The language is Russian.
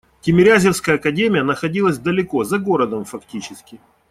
Тимирязевская академия находилась далеко, за городом фактически.